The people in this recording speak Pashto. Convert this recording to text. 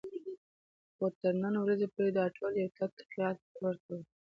خو تر نن ورځې پورې دا ټول یو تت خیال ته ورته وو.